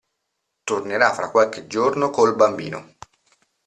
Tornerà fra qualche giorno col bambino.